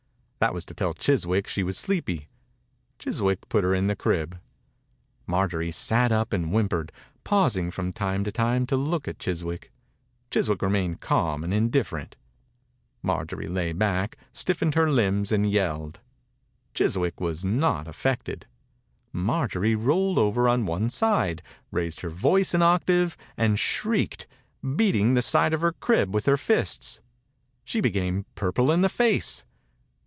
That was to tell Chiswick she was sleepy. Chiswick put her in the crib. Marjorie sat up and whim pered, pausing from time to time to look at Chiswick. Chiswick remained calm and indifferent. Marjorie lay back, stiffened her limbs and yelled. Chiswick was 87 THE INCUBATOR BABY not aiFected. Marjorie rolled over on one side, raised her voice an octave, and shrieked, beating the side of her crib with her £sts. She became purple in the face.